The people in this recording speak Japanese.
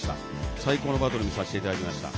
最高のバトルを見させていただきました。